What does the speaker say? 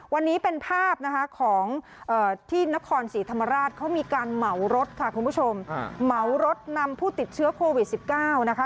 วันนี้เป็นภาพนะคะของที่นครศรีธรรมราชเขามีการเหมารถค่ะคุณผู้ชมเหมารถนำผู้ติดเชื้อโควิด๑๙นะคะ